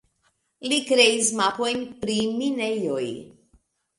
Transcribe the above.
Li kreis mapojn pri minejoj.